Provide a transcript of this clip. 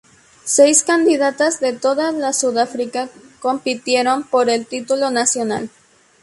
Seis candidatas de toda la Sudáfrica compitieron por el título nacional.